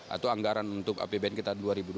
atau anggaran untuk apbn kita dua ribu dua puluh